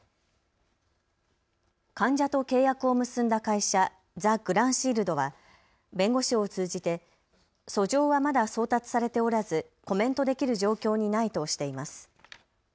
患者と契約を結んだ会社、ＴＨＥＧＲＡＮＳＨＩＥＬＤは弁護士を通じて訴状はまだ送達されておらずコメントできる状況にないとしています。